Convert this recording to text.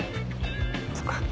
そっか。